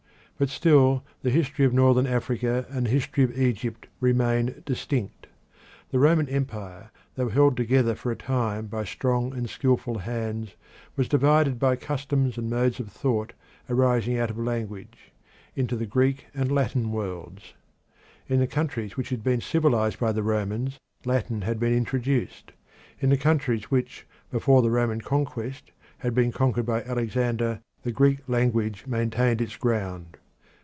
But still the history of Northern Africa and the history of Egypt remain distinct. The Roman empire, though held together for a time by strong and skilful hands, was divided by customs and modes of thought arising out of language into the Greek and Latin worlds. In the countries which had been civilised by the Romans Latin had been introduced. In the countries which before the Roman conquest had been conquered by Alexander, the Greek language maintained its ground.